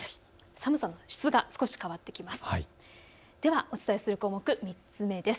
寒さの質が少し変わってきます。